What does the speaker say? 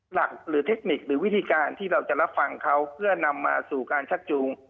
หลักหรือเทคนิคหรือวิธีการที่เราจะรับฟังเขาเพื่อนำมาสู่การชักจูง